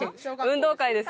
運動会です